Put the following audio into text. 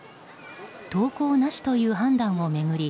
登校なしという判断を巡り